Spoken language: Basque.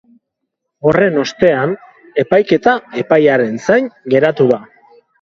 Horren ostean, epaiketa epaiaren zain geratu da.